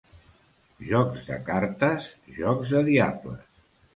Jocs de cartes, jocs de diables.